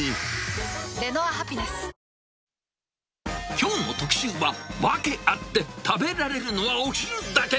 きょうの特集は、訳あって食べられるのはお昼だけ。